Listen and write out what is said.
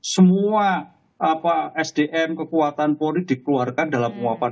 semua sdm kekuatan polri dikeluarkan dalam penguapan